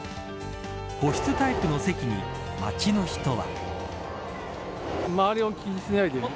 個室タイプの席に、街の人は。